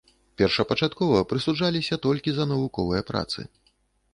Першапачаткова прысуджаліся толькі за навуковыя працы.